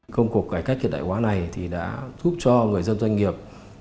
công cục cải cách hiện đại hóa này đã giúp cho người dân doanh nghiệp